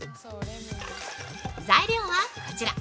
材料はこちら。